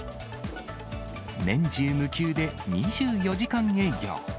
年中無休で２４時間営業。